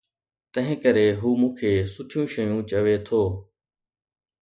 تنهن ڪري هو مون کي سٺيون شيون چوي ٿو